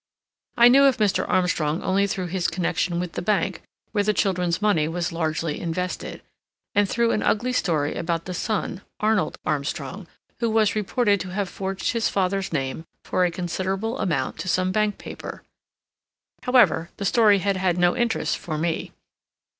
I knew of Mr. Armstrong only through his connection with the bank, where the children's money was largely invested, and through an ugly story about the son, Arnold Armstrong, who was reported to have forged his father's name, for a considerable amount, to some bank paper. However, the story had had no interest for me.